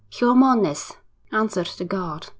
'Xiormonez!' answered the guard.